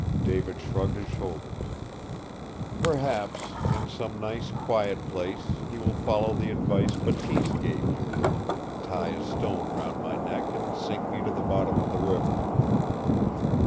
David shrugged his shoulders. "Perhaps, in some nice, quiet place, he will follow the advice Bateese gave you tie a stone round my neck and sink me to the bottom of the river."